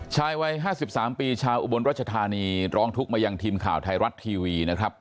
ชายวัย๕๓ปีชาวอุบลรัชธานีร้องทุกข์มายังทีมข่าวไทยรัฐทีวีนะครับ